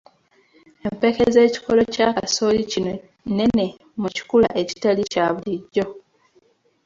Empeke z'ekikolo kya kasooli kino nnene mu kikula ekitali kya bulijjo.